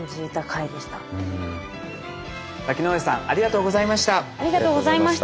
瀧ノ上さんありがとうございました。